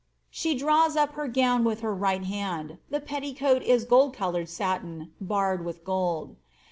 She draws up her gown with her right hand ; etticoat is gold coloured satin, barred with gold.